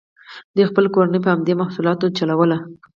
دوی خپله کورنۍ په همدې محصولاتو چلوله.